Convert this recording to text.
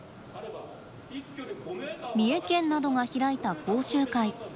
三重県などが開いた講習会。